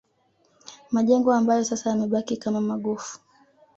Majengo ambayo sasa yamebaki kama magofu